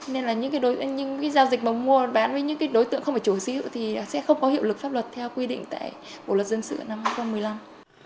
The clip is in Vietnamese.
nên là những cái giao dịch mà mua bán với những cái đối tượng không phải chủ sở hữu thì sẽ không có hiệu lực pháp luật theo quy định tại bộ luật dân sự năm hai nghìn một mươi năm